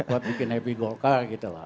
buat bikin happy golkar gitu lah